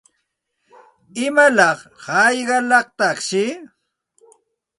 ¿Imalaq hayqalataqshi?